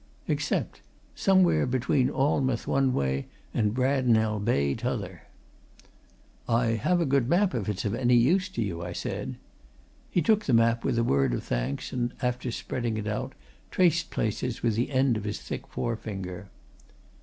Except somewhere between Alnmouth one way and Brandnell Bay, t'other." "I have a good map, if it's any use to you," I said. He took the map with a word of thanks, and after spreading it out, traced places with the end of his thick forefinger.